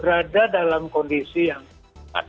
berada dalam kondisi yang